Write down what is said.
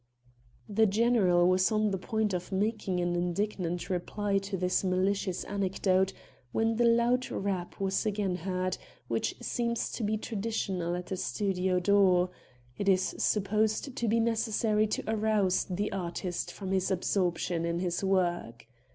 The general was on the point of making an indignant reply to this malicious anecdote, when the loud rap was again heard which seems to be traditional at a studio door; it is supposed to be necessary to arouse the artist from his absorption in his work.